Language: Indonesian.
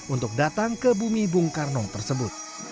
untuk datang ke bumi bung karno tersebut